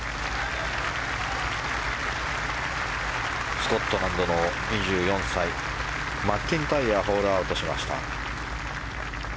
スコットランドの２４歳マッキンタイヤホールアウトしました。